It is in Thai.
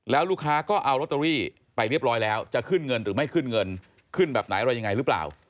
แล้วลูกค้าก็เอาลอตเตอรี่ไปเรียบร้อยแล้วจะขึ้นเงินหรือไม่ขึ้นเงินขึ้นแบบไหนอะไรยังไงหรือเปล่า